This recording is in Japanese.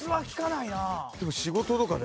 でも仕事とかで？